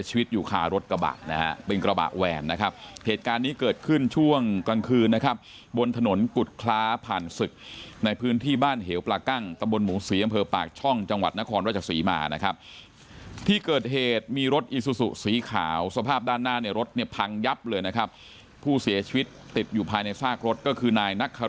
ชีวิตอยู่คารถกระบะนะฮะเป็นกระบะแหวนนะครับเหตุการณ์นี้เกิดขึ้นช่วงกลางคืนนะครับบนถนนกุฎคล้าผ่านศึกในพื้นที่บ้านเหวปลากั้งตำบลหมูศรีอำเภอปากช่องจังหวัดนครราชศรีมานะครับที่เกิดเหตุมีรถอีซูซูสีขาวสภาพด้านหน้าในรถเนี่ยพังยับเลยนะครับผู้เสียชีวิตติดอยู่ภายในซากรถก็คือนายนักค